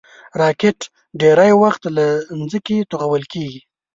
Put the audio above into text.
راکټ ډېری وخت له ځمکې توغول کېږي